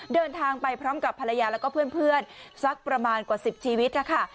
เดินทางไปพร้อมกับภรรยาแล้วก็เพื่อนสักประมาณกว่า๑๐ชีวิตนะคะ